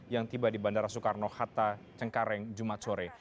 yang tiba di bandara soekarno hatta cengkareng jumat sore